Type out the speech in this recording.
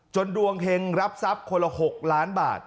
ดวงเฮงรับทรัพย์คนละ๖ล้านบาท